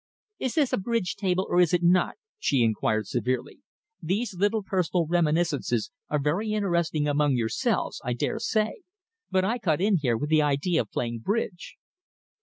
"Is this a bridge table or is it not?" she enquired severely. "These little personal reminiscences are very interesting among yourselves, I dare say, but I cut in here with the idea of playing bridge."